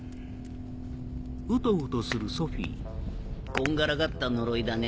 こんがらがった呪いだね。